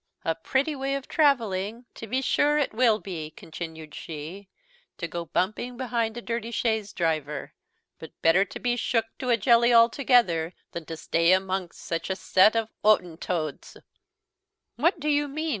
"A pretty way of travelling, to be sure, it will be," continued she, "to go bumping behind a dirty chaise driver; but better to be shook to a jelly altogether than stay amongst such a set of Oaten toads." Hottentots. "What do you mean?"